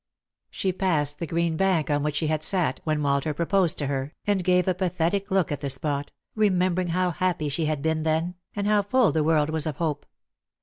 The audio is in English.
She passed the green bank on which she had sat when Walter proposed to her, and gave a pathetic look at the spot, remember ing how happy she had been then, and how full the world was 178 Lost for Love. of hope.